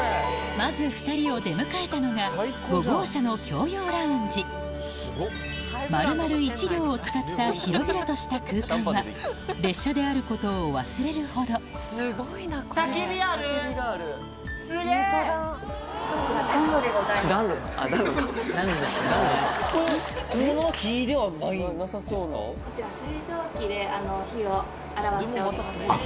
まず２人を出迎えたのが５号車の共用ラウンジ丸々１両を使った広々とした空間は列車であることを忘れるほど水蒸気で。